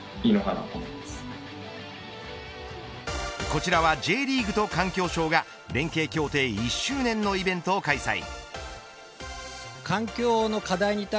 こちらはＪリーグと環境省が連携協定一周年のイベントを開催。